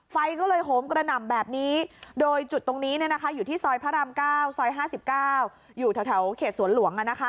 ไฟก็เลยโหมกระหน่ำแบบนี้โดยจุดตรงนี้อยู่ที่ซอยพระราม๙ซอย๕๙อยู่แถวเขตสวนหลวง